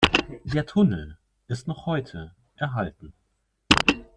Der Tunnel ist noch heute erhalten.